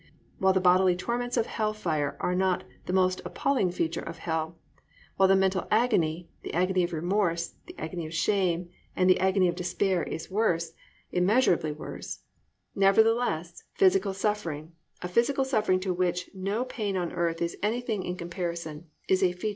While the bodily torments of hell fire are not the most appalling feature of hell, while the mental agony, the agony of remorse, the agony of shame, and the agony of despair, is worse, immeasurably worse; nevertheless, physical suffering, a physical suffering to which no pain on earth is anything in comparison, is a feature of hell.